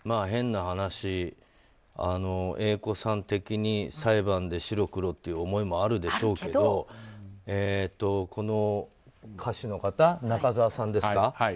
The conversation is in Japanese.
変な話、Ａ子さん的に裁判で白黒という思いもあるでしょうけどこの歌手の方、中澤さんですか。